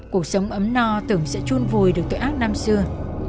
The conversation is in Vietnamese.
cuộc sống ấm no tưởng sẽ chun vùi được tội ác năm xưa